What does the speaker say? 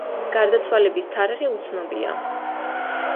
გარდაცვალების თარიღი უცნობია.